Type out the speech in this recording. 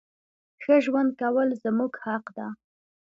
ښه ژوند کول زمونږ حق ده.